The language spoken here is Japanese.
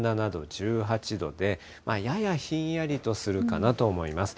１７度、１８度で、ややひんやりとするかなと思います。